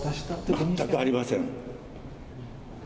全くありません。